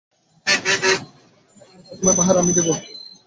প্রথমে পাহারা আমি দেবো।